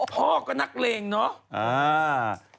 พ่อก็นักเลงเนาะ